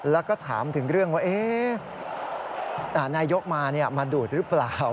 แล้วก็ถามถึงเรื่องว่านายกมามาดูดหรือเปล่า